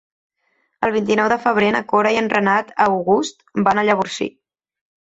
El vint-i-nou de febrer na Cora i en Renat August van a Llavorsí.